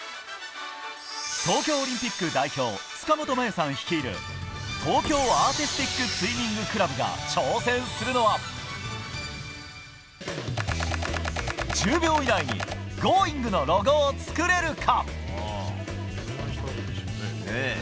東京オリンピック代表塚本真由さん率いる東京アーティスティックスイミングが挑戦するのは１０秒以内に「Ｇｏｉｎｇ！」のロゴを作れるか。